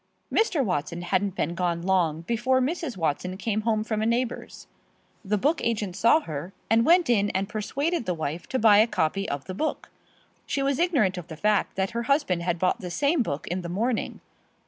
Mr. Watson hadn't been gone long before Mrs. Watson came home from a neighbor's. The book agent saw her, and went in and persuaded the wife to buy a copy of the book. She was ignorant of the fact that her husband had bought the same book in the morning.